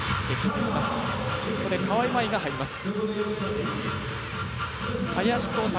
ここで川井麻衣が入ります。